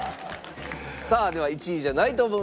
さあでは１位じゃないと思う